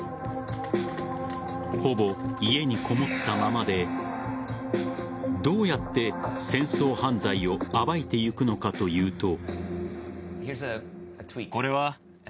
ほぼ家にこもったままでどうやって戦争犯罪を暴いていくのかというと。